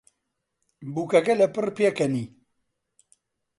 بووکەکە لەپڕ پێکەنی.